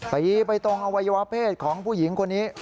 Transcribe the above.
ตีไปตรงอวัยวะเพศของผู้หญิงคนนี้